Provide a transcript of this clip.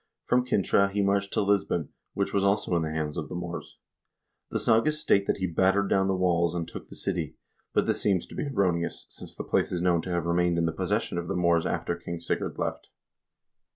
From Cintra he marched to Lisbon, which was also in the hands of the Moors. The sagas state that he battered down the walls and took the city, but this seems to be erroneous, since the place is known to have remained in the possession of the Moors after King Sigurd left.